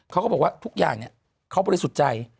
เขาก็บอกว่าทุกอย่างเขาบริสุทธิ์ใจ